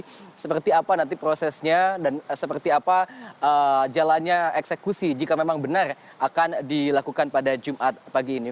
jadi seperti apa nanti prosesnya dan seperti apa jalannya eksekusi jika memang benar akan dilakukan pada jumat pagi ini